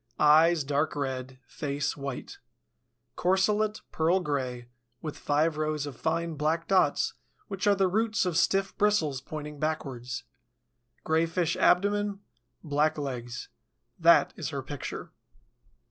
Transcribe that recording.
Eyes, dark red; face, white. Corselet, pearl gray, with five rows of fine black dots, which are the roots of stiff bristles pointing backwards. Grayish abdomen. Black legs. That is her picture.